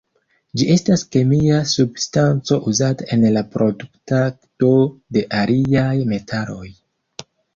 Ĝi estas kemia substanco uzata en la produktado de aliaj metaloj.